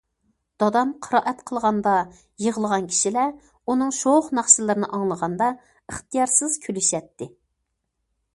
دادام قىرائەت قىلغاندا يىغلىغان كىشىلەر ئۇنىڭ شوخ ناخشىلىرىنى ئاڭلىغاندا ئىختىيارسىز كۈلۈشەتتى.